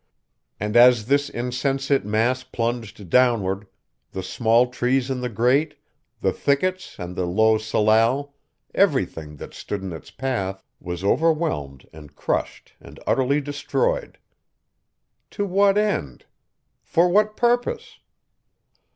And as this insensate mass plunged downward, the small trees and the great, the thickets and the low salal, everything that stood in its path, was overwhelmed and crushed and utterly destroyed. To what end? For what purpose?